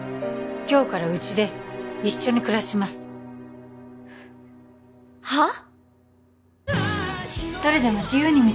今日からうちで一緒に暮らしますはっ？